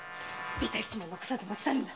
ビタ一文残さず持ち去るんだ。